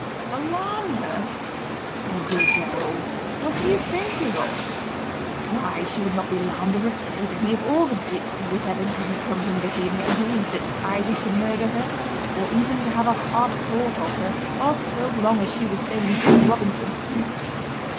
"Alarm her! My dear Gerald, what are you thinking of? Why, she would not be alarmed or afraid of me if all the gipsies that ever didn't come from Bohemia agreed that I was to murder her, or even to have a hard thought of her, whilst so long as she was saying 'Jack Robinson.